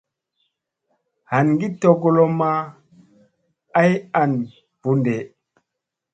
Hangi tokolomma ay an ɓu ɗee.